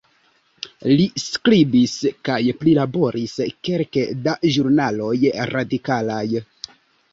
Li skribis kaj prilaboris kelke da ĵurnaloj radikalaj.